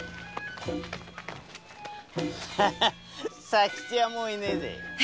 佐吉はもう居ねえぜ。